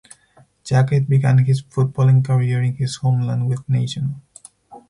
Jacquet began his footballing career in his homeland with Nacional.